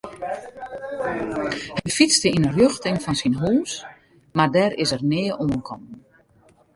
Hy fytste yn 'e rjochting fan syn hús mar dêr is er nea oankommen.